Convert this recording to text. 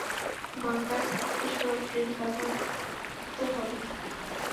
Bunker বিস্ফোরক drill ব্যবহৃত হবে।